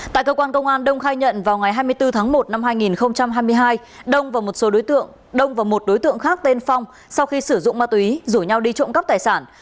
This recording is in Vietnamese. tại cơ quan công an đông khai nhận vào ngày hai mươi bốn tháng một năm hai nghìn hai mươi hai đông và một đối tượng khác tên phong sau khi sử dụng ma túy rủ nhau đi trộm cắp tài sản